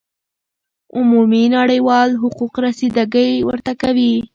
عمومی نړیوال حقوق رسیده ګی ورته کوی